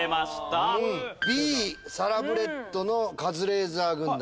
Ｂサラブレッドのカズレーザー軍団。